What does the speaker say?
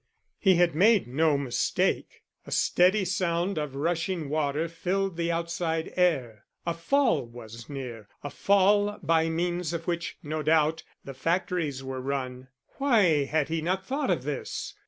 He had made no mistake; a steady sound of rushing water filled the outside air. A fall was near, a fall by means of which, no doubt, the factories were run. Why had he not thought of this?